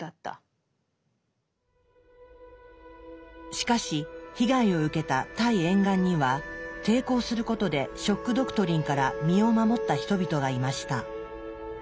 しかし被害を受けたタイ沿岸には抵抗することで「ショック・ドクトリン」から身を守った人々がいました。